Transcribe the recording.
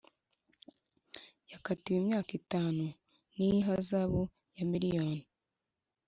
Yakatiwe imyaka itanu n ihazabu ya miliyoni